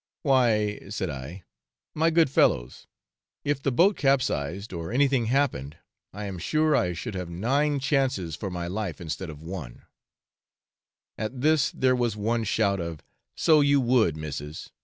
'Why,' said I, 'my good fellows, if the boat capsized, or anything happened, I am sure I should have nine chances for my life instead of one;' at this there was one shout of 'So you would, missis!